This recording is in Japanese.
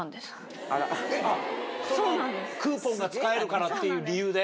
そのクーポンが使えるからっていう理由で？